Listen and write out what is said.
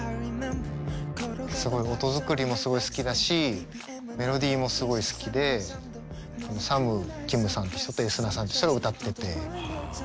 すごい音作りもすごい好きだしメロディーもすごい好きでＳＡＭＫＩＭさんって人とｅＳＮａさんっていう人が歌っていて。